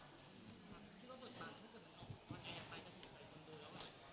คิดว่าส่วนต่างถ้าเป็นออฟว่าใครอยากไปกับใครคนเดียว